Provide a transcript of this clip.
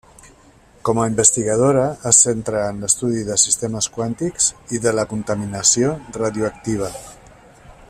Com a investigadora se centrà en l'estudi de sistemes quàntics i de la contaminació radioactiva.